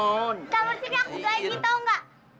jangan bersini aku gaji tau nggak